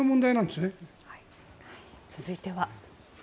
続いては。